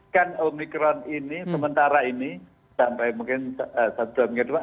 kan omikron ini sementara ini sampai mungkin satu dua mingguan